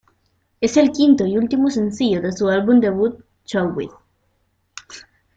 Es el quinto y último sencillo de su álbum debut "Showbiz".